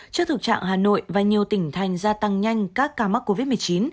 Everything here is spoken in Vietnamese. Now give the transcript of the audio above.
trước thực trạng hà nội và nhiều tỉnh thành gia tăng nhanh các ca mắc covid một mươi chín